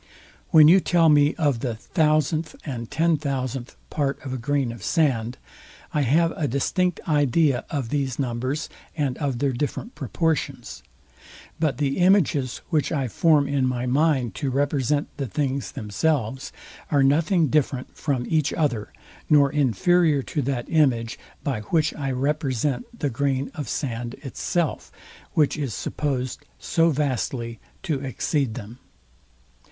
When you tell me of the thousandth and ten thousandth part of a grain of sand, I have a distinct idea of these numbers and of their different proportions; but the images, which I form in my mind to represent the things themselves, are nothing different from each other, nor inferior to that image, by which I represent the grain of sand itself, which is supposed so vastly to exceed them.